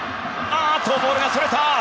ボールがそれた！